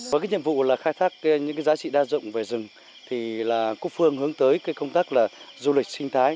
với cái nhiệm vụ là khai thác những cái giá trị đa dụng về rừng thì là quốc phương hướng tới cái công tác là du lịch sinh thái